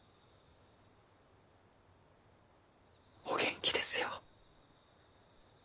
お元気ですよ。